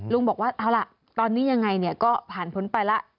ลุงบอกว่าเอาล่ะตอนนี้ยังไงก็ผ่านพ้นไปละ